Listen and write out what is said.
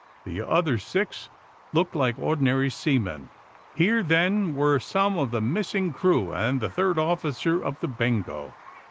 The other six looked like ordinary sea men. Here, then, were some of the missing crew and the third officer of the ''Bengo."